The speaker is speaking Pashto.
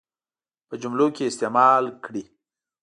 په جملو کې استعمال کړي.